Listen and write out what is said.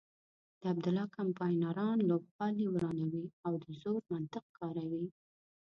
د عبدالله کمپاینران لوبغالی ورانوي او د زور منطق کاروي.